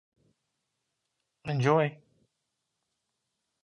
Enjoy!